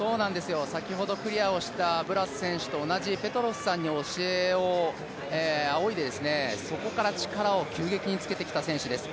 先ほどクリアしたブラス選手と同じペトロスさんに教えを仰いで、そこから力を急激につけてきた選手です。